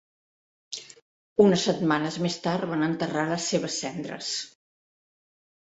Unes setmanes més tard van enterrar les seves cendres.